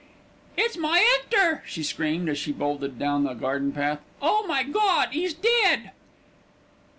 "It's my 'Ector," she screamed, as she bolted down the garden path. "Oh, my God! 'e's dead."